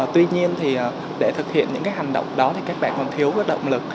tuy nhiên thì để thực hiện những cái hành động đó thì các bạn còn thiếu động lực